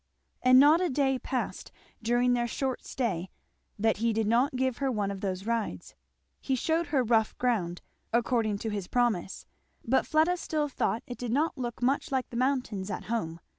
And not a day passed during their short stay that he did not give her one of those rides. He shewed her rough ground, according to his promise, but Fleda still thought it did not look much like the mountains "at home."